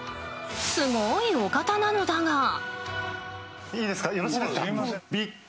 すごいお方なのだが。